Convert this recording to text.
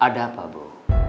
ada apa bu